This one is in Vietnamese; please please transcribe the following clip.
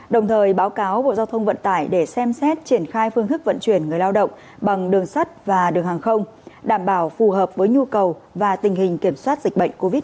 đồng thời báo cáo bộ giao thông vận tải để xem xét triển khai phương thức vận chuyển người lao động bằng đường sắt và đường hàng không đảm bảo phù hợp với nhu cầu và tình hình kiểm soát dịch bệnh covid một mươi chín